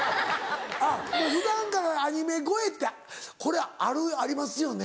あっもう普段からアニメ声ってこれありますよね？